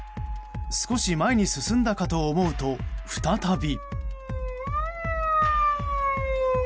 少し前に進んだかと思うと再び。